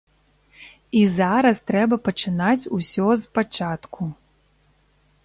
І зараз трэба пачынаць усё з пачатку.